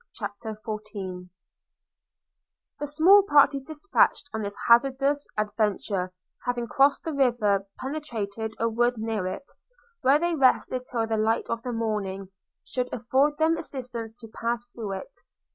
CHAPTER XIV THE small party dispatched on this hazardous adventure, having crossed the river, penetrated a wood near it, where they rested till the light of the morning should afford them assistance to pass through it.